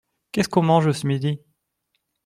Qu’est-ce qu’on mange ce midi ?